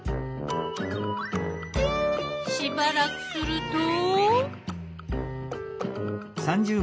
しばらくすると？